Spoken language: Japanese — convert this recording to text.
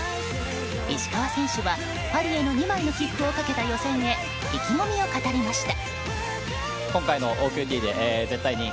石川選手はパリへの２枚の切符をかけた予選へ意気込みを語りました。